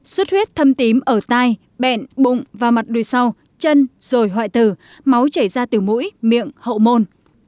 suốt huyết thâm tím ở tai bẹn bụng và mặt đùi sau chân rồi hoại tử máu chảy ra từ mũi miệng hậu môn